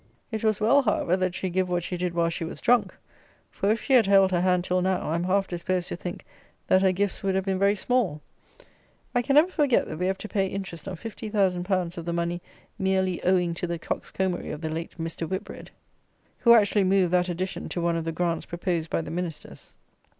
It was well, however, that she give what she did while she was drunk; for, if she had held her hand till now, I am half disposed to think, that her gifts would have been very small. I can never forget that we have to pay interest on 50,000_l._ of the money merely owing to the coxcombery of the late Mr. Whitbread, who actually moved that addition to one of the grants proposed by the Ministers!